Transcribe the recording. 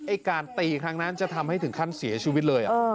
การตีครั้งนั้นจะทำให้ถึงขั้นเสียชีวิตเลย